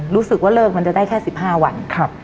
รู้สึกว่าเลิกมันจะได้แค่๑๕วัน